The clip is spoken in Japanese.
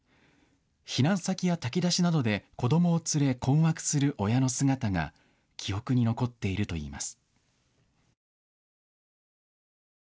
避難先や炊き出しなどで子どもを連れ、困惑する親の姿が記憶に残っているといいます。